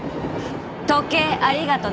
時計ありがとね。